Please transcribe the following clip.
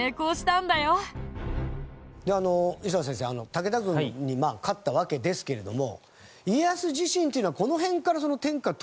磯田先生武田軍に勝ったわけですけれども。